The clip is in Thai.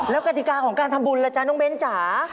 แล้วกติกาของการทำบุญล่ะจ๊ะน้องเบ้นจ๋า